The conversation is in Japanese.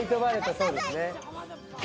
そうですね。